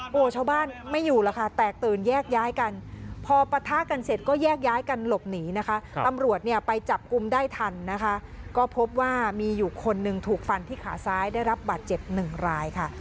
พูดว่ารายจับกลุ่มได้ทันนะคะก็พบว่ามีอยู่คนหนึ่งถูกฟันที่ขาซ้ายได้รับบาดเจ็บหนึ่งรายค่ะ